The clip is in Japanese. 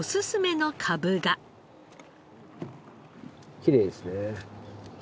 きれいですね。